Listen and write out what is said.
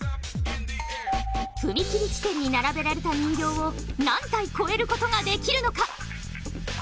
踏切地点に並べられた人形を、何体越えることができるのか。